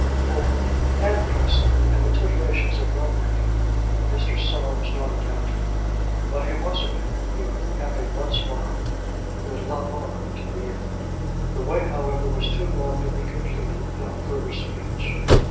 For hand pressing, and the titillations of love making, Mr. Saul was not adapted; but he was a man who, having once loved, would love on to the end. The way, however, was too long to be completed without further speech.